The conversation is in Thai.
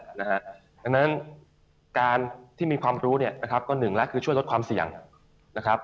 ดังนั้นการที่มีความรู้ก็หนึ่งแล้วคือช่วยลดความเสี่ยงนะครับ